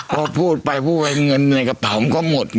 พอพูดไปพูดไปเงินในกระเป๋ามันก็หมด